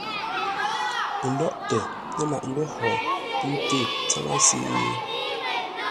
Pəlóghʼtə lâʼ ńgó hó ńté tsáŋə́se?